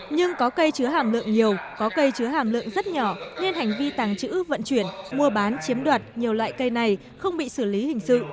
nhưng có cây chứa hàm lượng nhiều có cây chứa hàm lượng rất nhỏ nên hành vi tàng trữ vận chuyển mua bán chiếm đoạt nhiều loại cây này không bị xử lý hình sự